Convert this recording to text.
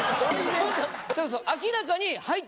明らかに。